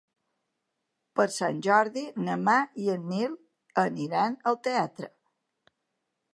Per Sant Jordi na Mar i en Nil aniran al teatre.